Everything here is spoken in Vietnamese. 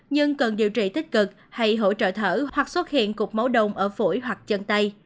nhưng cần điều trị tích cực hay hỗ trợ thở hoặc xuất hiện cục máu đồng ở phổi hoặc chân tay